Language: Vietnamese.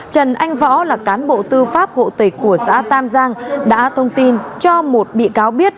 trần anh võ là cán bộ tư pháp hộ tịch của xã tam giang đã thông tin cho một bị cáo biết